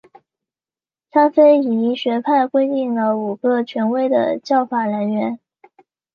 沙斐仪学派规定了五个权威的教法来源。